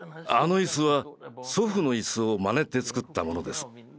あの椅子は祖父の椅子をまねてつくったものです。